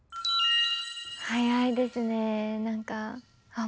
早いですね何かああ